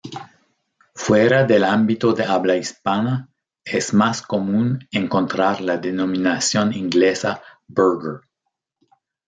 Fuera del ámbito de habla hispana es más común encontrar la denominación inglesa burger.